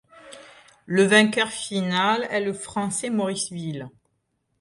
Le vainqueur final est le Français Maurice Ville.